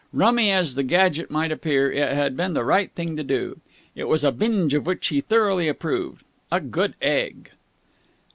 Rummy as the gadget might appear, it had been the right thing to do. It was a binge of which he thoroughly approved. A good egg!